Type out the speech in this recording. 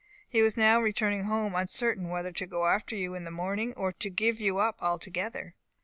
He was now returning home, uncertain whether to go after you in the morning, or to give you up altogether.